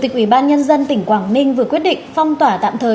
chủ tịch ủy ban nhân dân tỉnh quảng ninh vừa quyết định phong tỏa tạm thời